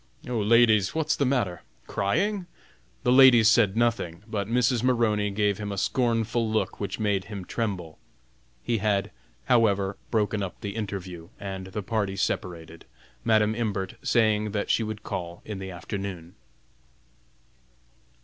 "O ladies, what's the matter? Crying!" The ladies said nothing, but Mrs. Maroney gave him a scornful look which made him tremble. He had, however, broken up the interview, and the party separated, Madam Imbert saying that she would call in the afternoon.